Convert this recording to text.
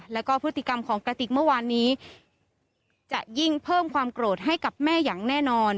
แล้วก็พฤติกรรมของกระติกเมื่อวานนี้จะยิ่งเพิ่มความโกรธให้กับแม่อย่างแน่นอน